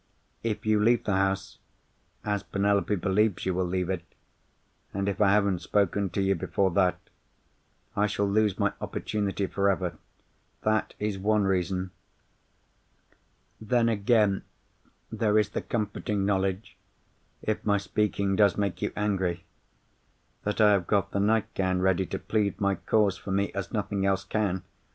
If you leave the house, as Penelope believes you will leave it, and if I haven't spoken to you before that, I shall lose my opportunity forever. That is one reason. Then, again, there is the comforting knowledge—if my speaking does make you angry—that I have got the nightgown ready to plead my cause for me as nothing else can.